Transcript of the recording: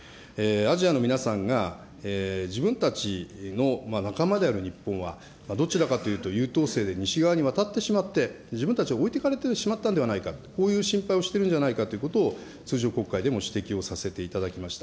アジアの皆さんが、自分たちの仲間である日本は、どちらかというと優等生で西側に渡ってしまって、自分たちは置いていかれてしまったんではないか、こういう心配をしてるんじゃないかということを、通常国会でも指摘をさせていただきました。